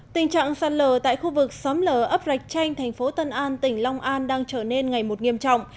tình trạng sạt lở tại khu vực xóm lở ấp rạch chanh thành phố tân an tỉnh long an đang trở nên ngày một nghiêm trọng